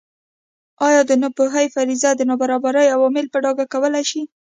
ایا د ناپوهۍ فرضیه د نابرابرۍ عوامل په ډاګه کولای شي.